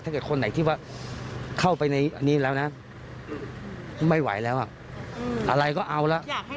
ถ้าเกิดคนไหนที่ว่าเข้าไปในอันนี้แล้วนะไม่ไหวแล้วอ่ะอะไรก็เอาแล้ว